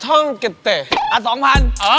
อ่า๒๐๐๐